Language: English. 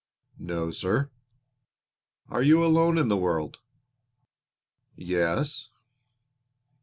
"No, sir." "Are you alone in the world?" "Yes."